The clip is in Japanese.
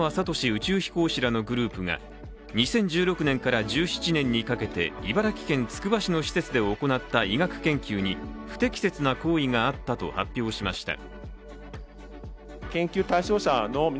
宇宙飛行士らのグループが、２０１６年から１７年にかけて茨城県つくば市の施設で行った医学研究に不適切な行為があったと発表しました。